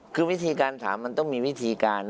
คือวิธีการถามมันต้องมีวิธีการ